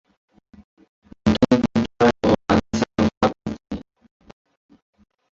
মাধ্যমিক বিদ্যালয়ের ও মাদ্রাসা সংখ্যা পাঁচটি।